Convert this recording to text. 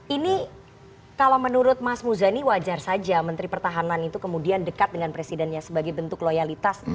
ini kalau menurut mas muzani wajar saja menteri pertahanan itu kemudian dekat dengan presidennya sebagai bentuk loyalitas